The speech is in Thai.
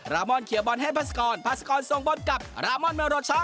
มอนเคลียร์บอลให้พัศกรพาสกรส่งบอลกับรามอนเมโรช็อ